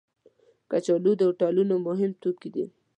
کچالو د هوټلونو مهم توکي دي